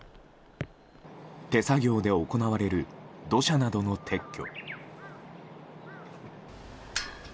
手作業で行われる土砂などの撤去。